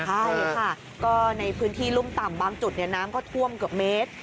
ใช่ค่ะก็ในพื้นที่รุ่มต่ำบางจุดน้ำก็ท่วมเกือบเมตร